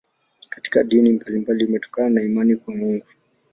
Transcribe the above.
Katika dini mbalimbali inatokana na imani kwa Mungu.